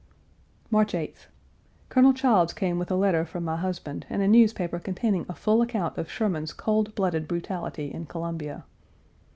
March 8th. Colonel Childs came with a letter from my husband and a newspaper containing a full account of Sherman's cold blooded brutality in Columbia.